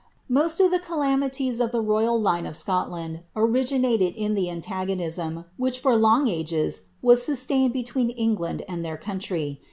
Most of ihe calamities of Ihe royal line of Scotland originated in the antagonism, which, for long ages, was sustained between England and their country.